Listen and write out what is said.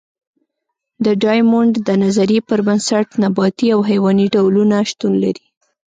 د ډایمونډ د نظریې پر بنسټ نباتي او حیواني ډولونه شتون لري.